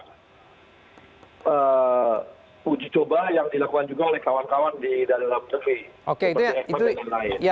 tapi kita harus mengambil uji coba yang dilakukan juga oleh kawan kawan di dalam negeri